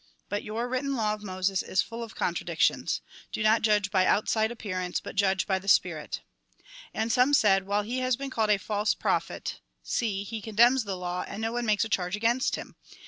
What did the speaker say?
But your written law of Moses is all full of contra dictions. Do not judge by outside appearance, but judge by the spirit." And some said :" While he has been called a false prophet, see, he condemns the law, and no one makes a charge against him.